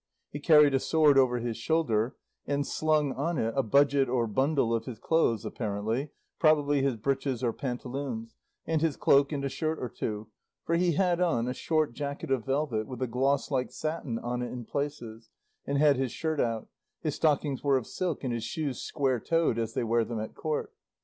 He carried a sword over his shoulder, and slung on it a budget or bundle of his clothes apparently, probably his breeches or pantaloons, and his cloak and a shirt or two; for he had on a short jacket of velvet with a gloss like satin on it in places, and had his shirt out; his stockings were of silk, and his shoes square toed as they wear them at court.